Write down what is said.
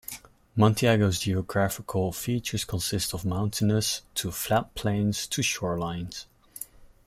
Manticao's geographical features consist of mountainous to flat plains to shorelines.